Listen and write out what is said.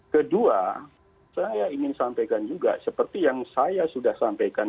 kedua saya ingin sampaikan juga seperti yang saya sudah sampaikan